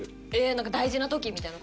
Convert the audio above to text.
なんか大事な時みたいな事？